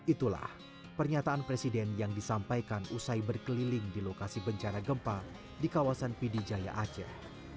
itulah pernyataan presiden yang disampaikan usai berkeliling di lokasi bencana gempa di kawasan pidijaya aceh